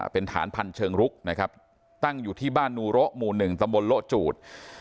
เป็นฐานพันธ์เชิงรุกนะครับตั้งอยู่ที่บ้านนูโระหมู่๑ตำบลโละจูด